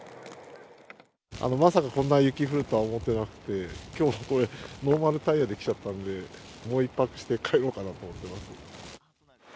まさかこんな雪降るとは思ってなくて、きょう、これ、ノーマルタイヤで来ちゃったので、もう１泊して帰ろうかなって思ってます。